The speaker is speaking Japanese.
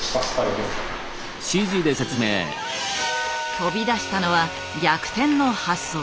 飛び出したのは逆転の発想。